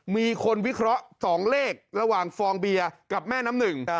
มีคนวิเคราะห์๒เลขระหว่างฟองเบียร์กับแม่น้ำหนึ่ง